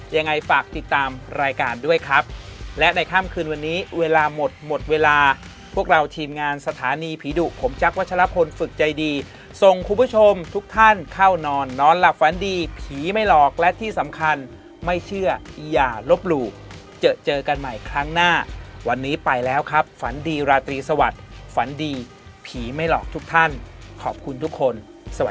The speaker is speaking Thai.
ยังไงฝากติดตามรายการด้วยครับและในค่ำคืนวันนี้เวลาหมดหมดเวลาพวกเราทีมงานสถานีผีดุผมแจ๊ควัชลพลฝึกใจดีส่งคุณผู้ชมทุกท่านเข้านอนนอนหลับฝันดีผีไม่หลอกและที่สำคัญไม่เชื่ออย่าลบหลู่เจอเจอกันใหม่ครั้งหน้าวันนี้ไปแล้วครับฝันดีราตรีสวัสดิ์ฝันดีผีไม่หลอกทุกท่านขอบคุณทุกคนสว